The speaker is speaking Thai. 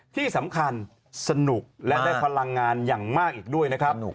ที่สำคัญสนุกและได้พลังงานอย่างมากอีกด้วยนะครับ